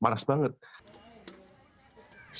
jadi itu sangat panas